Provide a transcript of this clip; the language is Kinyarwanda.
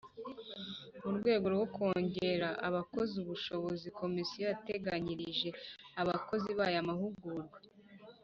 Mu rwego rwo kongerera abakozi ubushobozi Komisiyo yateganyirije abakozi bayo amahugurwa